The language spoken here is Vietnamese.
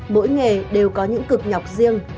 mỗi nghề đều có những cực nhọc riêng